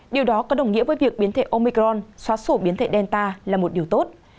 điều đó có đồng nghĩa với việc biến thể omicron xóa sổ biến thể delta là một điều tốt